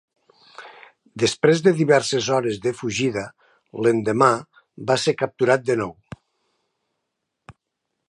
Després de diverses hores de fugida, l'endemà va ser capturat de nou.